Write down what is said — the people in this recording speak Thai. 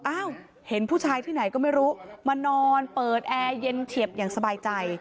อ้าวเห็นผู้ชายที่ไหนก็ไม่รู้มานอนเปิดแอร์เย็นเฉียบอย่างสบายใจ